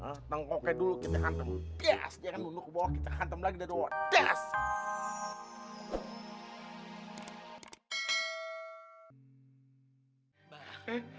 hantam dulu kita hantam bias dia akan duduk ke bawah kita hantam lagi dia tuh bias